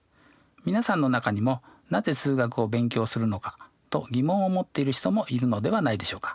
皆さんの中にもなぜ数学を勉強するのかと疑問を持っている人もいるのではないでしょうか？